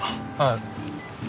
ああ。